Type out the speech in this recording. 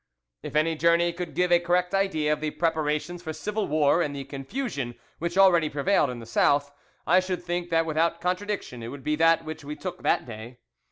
"If any journey could give a correct idea of the preparations for civil war and the confusion which already prevailed in the South, I should think that without contradiction it would be that which we took that day.